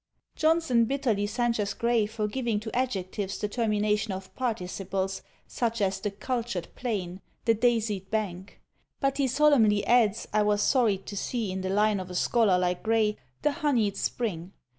Johnson bitterly censures Gray for giving to adjectives the termination of participles, such as the cultured plain; the daisied bank: but he solemnly adds, I was sorry to see in the line of a scholar like Gray, "the honied spring."